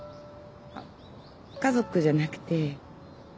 あ家族じゃなくて。